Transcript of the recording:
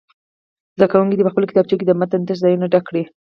زده کوونکي دې په خپلو کتابچو کې د متن تش ځایونه ډک کړي.